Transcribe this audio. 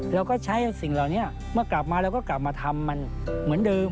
เราก็ใช้สิ่งเหล่านี้เมื่อกลับมาเราก็กลับมาทำมันเหมือนเดิม